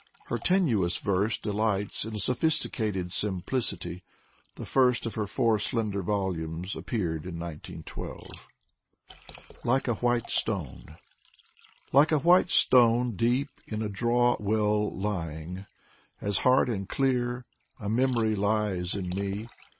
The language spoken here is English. Her tenuous verse delights in a sophisticated simplicity. The first of her four slender volumes appeared in 19x3. ISO >v^ Anna Akhmatova 151 " LIKE A WHITE STONE » Like a white stone deep in a draw well lying, As hard and clear, a memory lies in me.